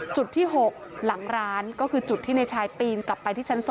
จุดที่๖หลังร้านก็คือจุดที่ในชายปีนกลับไปที่ชั้น๒